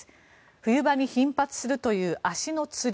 冬場に頻発するという足のつり。